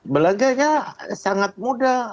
belanjanya sangat mudah